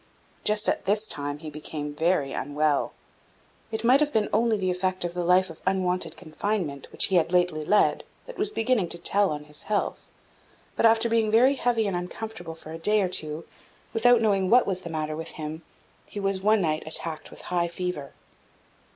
Just at this time he became very unwell; it might have been only the effect of the life of unwonted confinement which he had lately led that was beginning to tell on his health; but, after being heavy and uncomfortable for a day or two, without knowing what was the matter with him, he was one night attacked with high fever.